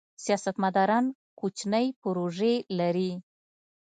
سیاستمداران کوچنۍ پروژې لري.